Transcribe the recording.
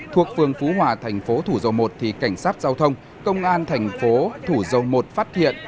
thuộc phường phú hòa tp thủ dầu một thì cảnh sát giao thông công an tp thủ dầu một phát hiện